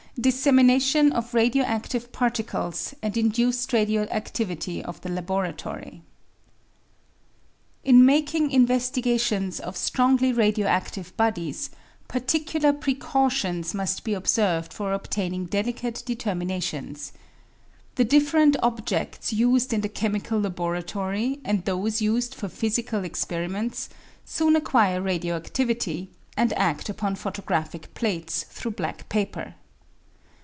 Dissemination of Radio active Particles and Induced Radio activity of the Laboratory . In making investigations of strongly radio adive bodies, particular precautions must be observed for obtaining delicate determinations. The different objeds used in the chemical laboratory and those used for physical experi ments soon acquire radio adivity, and ad upon photo graphic plates through black paper.